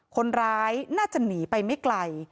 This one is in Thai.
คนร้ายน่าจะหนีไปไม่ไกล